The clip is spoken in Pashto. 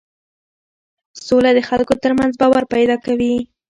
سوله د خلکو ترمنځ باور پیدا کوي